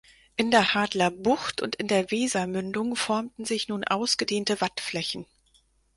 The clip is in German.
In der Hadler Bucht und in der Wesermündung formten sich nun ausgedehnte Wattflächen.